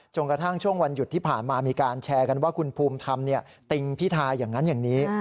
กระทั่งช่วงวันหยุดที่ผ่านมามีการแชร์กันว่าคุณภูมิธรรมติงพิทาอย่างนั้นอย่างนี้